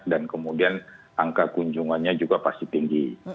dan kemudian angka kunjungannya juga pasti tinggi